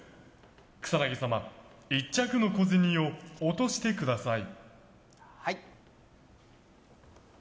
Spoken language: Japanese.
草薙様、１着の小銭を落としてください。